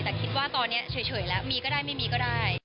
แต่คิดว่าตอนนี้เฉยแล้วมีก็ได้ไม่มีก็ได้